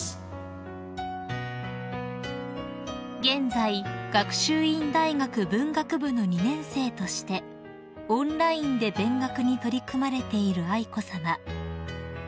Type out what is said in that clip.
［現在学習院大学文学部の２年生としてオンラインで勉学に取り組まれている愛子さま］